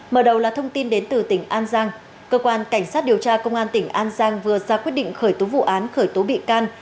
mở đầu là thông tin đến từ tỉnh an giang cơ quan cảnh sát điều tra công an tỉnh an giang vừa ra quyết định khởi tố vụ án khởi tố bị can